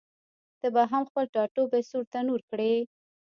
ته به هم خپل ټاټوبی سور تنور کړې؟